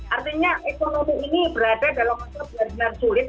artinya ekonomi ini berada dalam konsep benar benar sulit